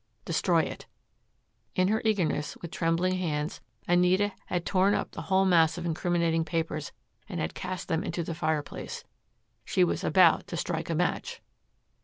Destroy it." In her eagerness, with trembling hands, Anita had torn up the whole mass of incriminating papers and had cast them into the fireplace. She was just about to strike a match.